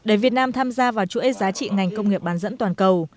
để việt nam tham gia vào chuỗi giá trị ngành công nghiệp bán dẫn toàn cầu